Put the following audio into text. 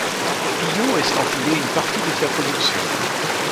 Pillot estampillait une partie de sa production.